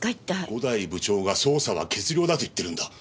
五代部長が捜査は結了だと言ってるんだ。